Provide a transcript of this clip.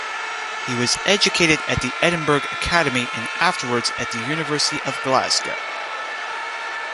He was educated at the Edinburgh Academy and afterwards at the University of Glasgow.